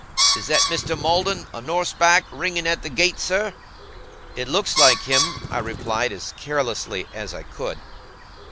Is that Mr. Maldon a norseback, ringing at the gate, sir?' 'It looks like him,' I replied, as carelessly as I could.